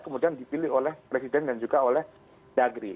kemudian dipilih oleh presiden dan juga oleh dagri